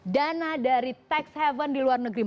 dana dari tax haven di luar negeri